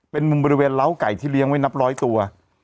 เป็นมุมบริเวณเล้าไก่ที่เลี้ยงไว้นับร้อยตัว